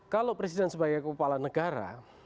kalau presiden sebagai kepala negara